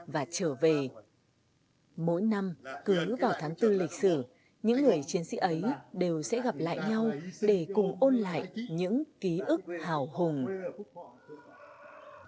và trở về mỗi năm cứ vào tháng bốn lịch sử những người chiến sĩ ấy đều sẽ gặp lại nhau để cùng ôn lại những ký ức hào hùng